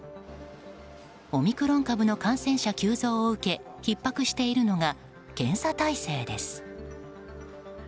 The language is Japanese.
オミクロン株の感染者急増を受けひっ迫しているのが検査体制です。